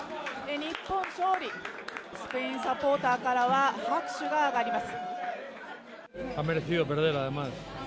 日本勝利、スペインサポーターからは拍手が上がります。